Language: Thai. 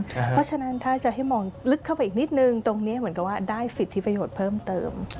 เพราะฉะนั้นถ้าจะให้มองลึกเข้าไปอีกนิดนึงตรงนี้เหมือนกับว่าได้สิทธิประโยชน์เพิ่มเติม